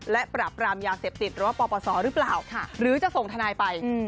และปรับรามยาเสพติดหรือว่าปปศหรือเปล่าหรือจะส่งทนายไป